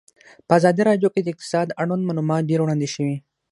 په ازادي راډیو کې د اقتصاد اړوند معلومات ډېر وړاندې شوي.